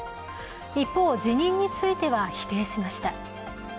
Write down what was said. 一方、辞任については否定しました。